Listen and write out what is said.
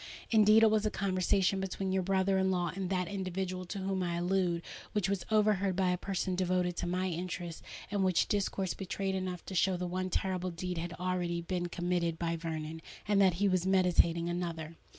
Indeed, it was a conversation between your brother in law and that individual to whom I allude, which was overheard by a person devoted to my interests, and which discourse betrayed enough to show that one terrible deed had already been committed by Vernon, and that he was meditating another."